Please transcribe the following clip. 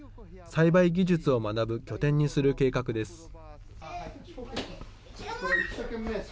栽培技術を学ぶ拠点にする計画です。